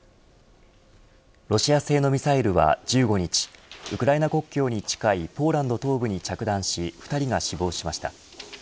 ロシア製のミサイルは１５日ウクライナ国境に近いポーランド東部に着弾し２人が死亡しました。